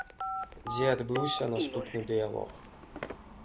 Дзе адбыўся наступны дыялог.